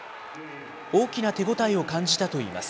大きな手応えを感じたといいます。